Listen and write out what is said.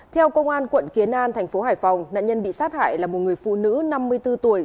theo công an quận kiến an thành phố hải phòng nạn nhân bị sát hại là một người phụ nữ năm mươi bốn tuổi